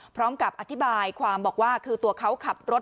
พร้อมกับอธิบายความบอกว่าคือตัวเขาขับรถ